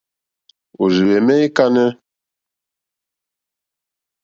Òrzìhwɛ̀mɛ́ î kánɛ́.